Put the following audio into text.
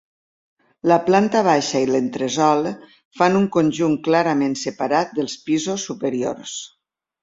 La planta baixa i l'entresòl fan un conjunt clarament separat dels pisos superiors.